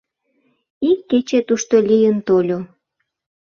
Ик кече тушто лийын тольо.